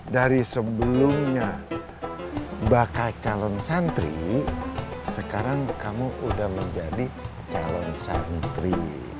dari sebelumnya bakal calon santri sekarang kamu udah menjadi calon santri